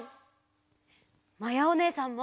まやおねえさんも！